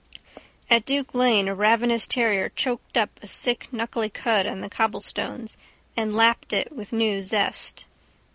At Duke lane a ravenous terrier choked up a sick knuckly cud on the cobblestones and lapped it with new zest.